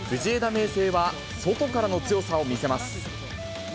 明誠は、外からの強さを見せます。